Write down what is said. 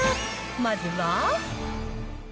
まずは。